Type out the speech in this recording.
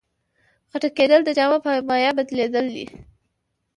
خټکېدل د جامد په مایع بدلیدل دي.